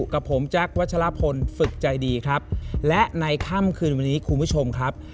กับผมแจ๊ควัชลพลฝึกใจดีครับและในค่ำคืนวันนี้คุณผู้ชมครับ